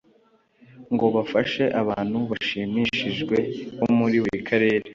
ngo bafashe abantu bashimishijwe bo muri buri karere